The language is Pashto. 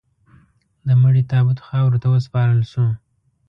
د مړي تابوت خاورو ته وسپارل شو.